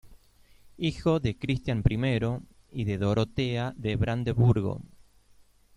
Hijo de Cristián I y de Dorotea de Brandeburgo.